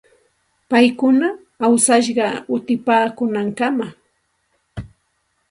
Paykuna awsashqa utipaakuunankamam.